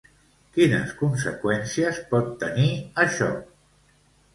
Quines conseqüències pot tenir això?